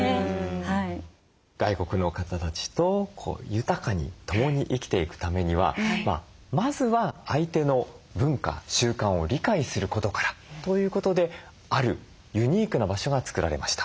外国の方たちと豊かに共に生きていくためにはまずは相手の文化習慣を理解することからということであるユニークな場所が作られました。